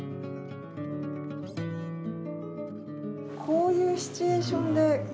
こういうシチュエーションで。